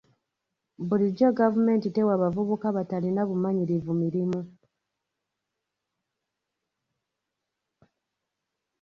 Bulijjo gavumenti tewa bavubuka batalina bumanyirivu mirimu.